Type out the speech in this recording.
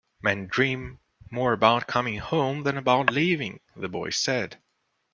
"Men dream more about coming home than about leaving," the boy said.